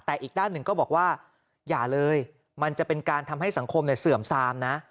แต่อีกด้านหนึ่งก็บอกว่าอย่าเลยมันจะเป็นการทำให้สังคมเสื่อมซามนะ